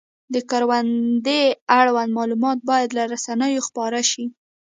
د کروندې اړوند معلومات باید له رسنیو خپاره شي.